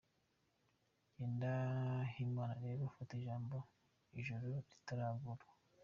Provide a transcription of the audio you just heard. Ngendahimana rero fata ijambo ijoro ritaragwa